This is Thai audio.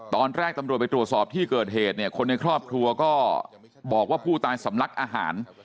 ตอนแรกตำรวจไปตรวจสอบที่เกิดเหตุเนี่ยคนในครอบครัวก็บอกว่าผู้ตายสำลักอาหาร